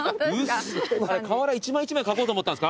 瓦一枚一枚描こうと思ったんですか。